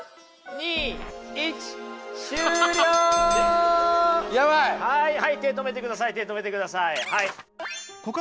はい手止めてください手止めてください。